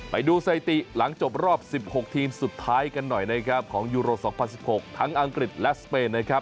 ไปดูไซตี้หลังจบรอบ๑๖ทีมสุดท้ายกันหน่อยของยุโรส๒๐๑๖ทั้งอังกฤษและสเปน